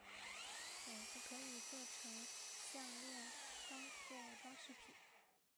种子可以作成项炼当作装饰品。